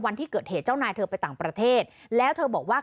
วันที่เกิดเหตุเจ้านายเธอไปต่างประเทศแล้วเธอบอกว่า